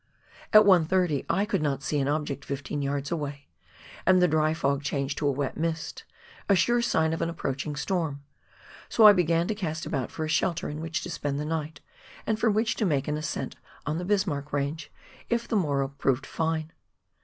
At 1.30 I could not see an object fifteen yards away, and the dry fog changed to a wet mist — a sure sign of an approaching storm — so I began to cast about for a shelter in which to spend the night, and from which to make an ascent on the Bismarck Range if the morrow proved fine.